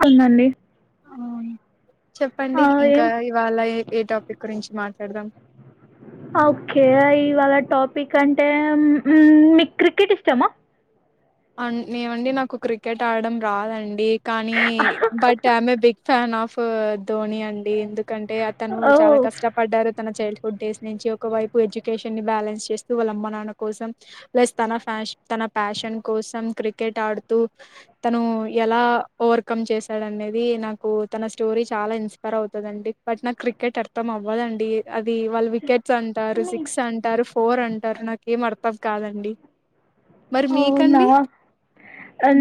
సన్నాండి అవును చెప్పండి ఇంకా ఇవాళ ఏ ఏ టాపిక్ గురించి మాట్లాడదాం. ఓకే ఇవాళ టాపిక్ అంటే ఉమ్ మీకు క్రికెట్ ఇష్టమా. ఏమండి నాకు క్రికెట్ ఆడడం రాదండి. కానీ but I'm a big fan of ప ధోని అండి ఎందుకంటే అతను చాలా ఓ కష్టపడ్డారు. తన చైల్డ్ ఫడ్ డేస్ నుంచి ఒకవైపు ఎడ్యుకేషన్ బ్యాలెన్స్ చేస్తూ వాళ్ళ అమ్మ నాన్న కోసం ప్లస్ తన ఫ్యాష్న్ తన ఫ్యాషన్ కోసం క్రికెట్ ఆడుతూ తను ఎలా ఓవర్కమ్ చేశాడు అనేది నాకు తన స్టోరీ చాలా ఇన్స్పైర్ అవుతుందండి బట్ నాకు క్రికెట్ అర్థం అవ్వదండి అది వాళ్ళ స్ికెట్స్ అంటారు సిక్స్ అంటారు కోర్ అంటారు నాకు ఏంమర్తం కాదండి మరి మీ అవునా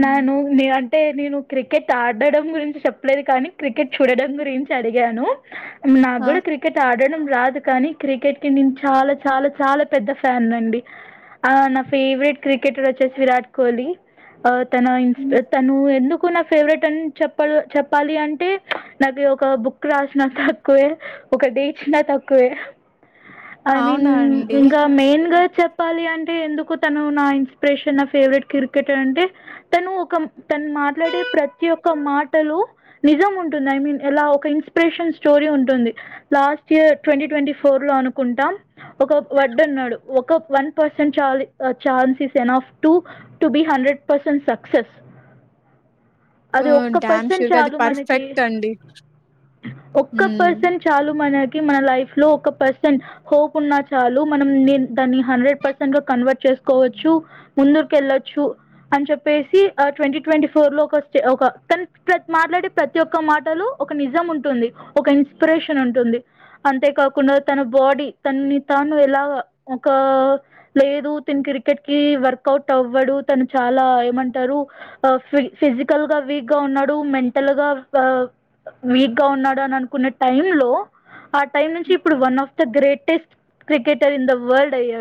న న అంటే నేను క్రికెట్ ఆడడం గురించి చెప్పలేదు కానీ క్రికెట్ చూడడం గురించి అడిగాను నాకు ఆ! కూడా క్రికెట్ ఆడడం రాదు కానీ క్రికెట్ కి నేను చాలా చాలా చాలా పెద్ద ఫ్యాన్ అండి ఆ నా ఫేవరెట్ క్రికెటర్ వచ్చేసి విరాట్ కోహ్లీ ఆ తన ఇస్ హ్మ్. తను ఎందుకు నా ఫేవరెట్ అని చెప్ప చెప్పాలి అంటే నాకు ఒక బుక్ రాసిన తక్కువే ఒక డేచ్చిన తక్కువే ఐ మీన్ అవునా అండి. ఇంకా మెయిన్గా తప్పాలి అంటే ఎందుకు తను నా ఇన్స్పిరేషన్ నా ఫేవరెట్ క్రికెటర్ అంటే తను ఒక తను మాట్లాడే ప్రతి ఒక్క మాటలో నిజం ఉంటుంది ఐ మీన్ ఇలా ఒక ఇన్స్పిరేషన్ స్టోరీ ఉంటుంది last year twenty twenty four లో అనుకుంటాం ఒక వడ్డ అన్నాడు ఒక one percent chances enough to be hundred percent success అదిే ఓహ్! ఒక్క డామ్ పర్సెంట్ ష్యూర్‌గా అది చాలు మనకి పర్ఫెక్ట్ అండి. ఒక్క హ్మ్. పర్సెంట్ చాలు మనకి మన లైఫ్ లో ఒక పర్సం హోప్ ఉన్నా చాలు మనం దా హండ్రెడ్ పర్సన్ గా కన్వర్ట్ చేసుకోవచ్చు ముందురికి వెళ్ళొచ్చు అని చెప్పేసి ఆ ట్వంటీ ట్వంటీ ఫోర్ లో ఒక స్టే ఒక తను మాట్లాడే ప్రతి ఒక్క మాటలో ఒక నిజం ఉంటుంది ఒక ఇన్స్పిరేషన్ ఉంటుంది అంతేకాకుండా తన బాడీ తన తాను ఎలా ఒక లేదు తను క్రికెట్ కి వర్కౌట్ అవ్వడు తను చాలా ఏమంటారు ఫిజికల్ గా వీక్ గా ఉన్నాడు మెంటల్ గా వీక్ గా ఉన్నాడు అని అనుకున్న టైమ్ లో ఆ టైమ్ నుంచి ఇప్పుడు one of the greatest cricketer in the world అయ్యాడు